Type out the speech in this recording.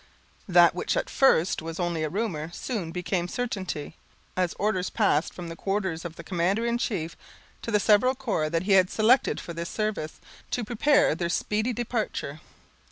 That which at first was only rumor, soon became certainty, as orders passed from the quarters of the commander in chief to the several corps he had selected for this service, to prepare for their speedy departure.